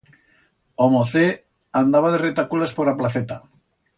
O mocet andaba de reteculas por a placeta.